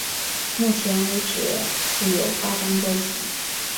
目前为止出有八张专辑。